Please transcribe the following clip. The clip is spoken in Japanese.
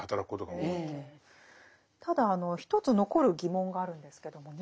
ただ一つ残る疑問があるんですけどもね